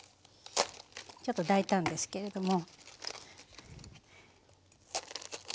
ちょっと大胆ですけれども。